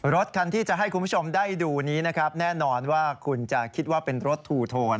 รถคันที่จะให้คุณผู้ชมได้ดูนี้นะครับแน่นอนว่าคุณจะคิดว่าเป็นรถทูโทน